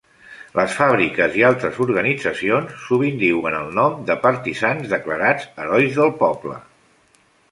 Les fàbriques i altres organitzacions sovint diuen el nom de partisans declarats Herois del Poble.